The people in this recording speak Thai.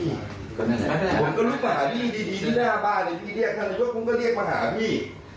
ผมก็รู้ว่าพี่ดีที่หน้าบ้านพี่เรียกทั้งทุกคนก็เรียกมาหาพี่